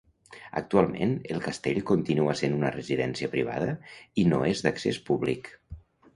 Actualment, el castell continua sent una residència privada i no és d'accés públic.